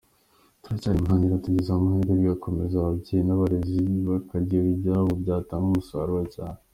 Turacyari mu ntangiriro tugize amahirwe bigakomeza ababyeyi n’abarezi bakabigira ibyabo byatanga umusaruro cyane.